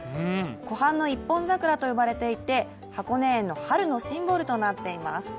湖畔の一本桜と呼ばれていて箱根園の春のシンボルとなっています。